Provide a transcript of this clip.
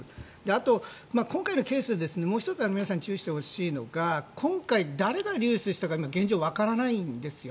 あと、今回のケースでもう１つ皆さん注意してほしいのが今回、誰が流出したか現状わからないんですよ。